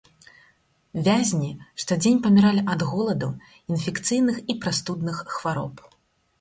Вязні штодзень паміралі ад голаду, інфекцыйных і прастудных хвароб.